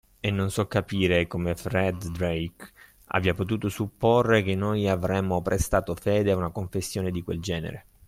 e non so capire come Fred Drake abbia potuto supporre che noi avremmo prestato fede a una confessione di quel genere!